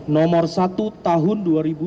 nomor satu tahun dua ribu dua puluh